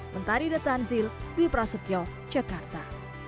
mentari detan zil di prasetyo jakarta